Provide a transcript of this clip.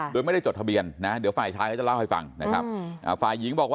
โดยไม่ได้จดทะเบียนสอนที่จะแล่วให้ฟัง